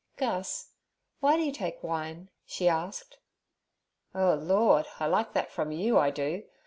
'Gus, why do you take wine?' she asked. 'Oh Lord! I like that from you, I do.